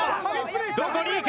どこにいく？